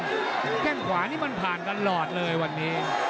แข้งขวานี่มันผ่านตลอดเลยวันนี้